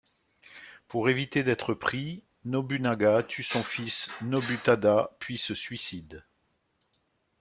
Pour éviter d'être pris, Nobunaga tue son fils Nobutada, puis se suicide.